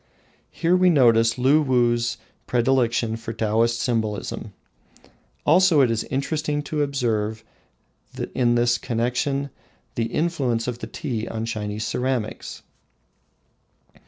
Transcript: Here we notice Luwuh's predilection for Taoist symbolism. Also it is interesting to observe in this connection the influence of tea on Chinese ceramics.